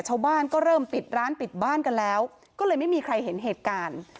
ชาวบ้านก็เริ่มปิดร้านปิดบ้านกันแล้วก็เลยไม่มีใครเห็นเหตุการณ์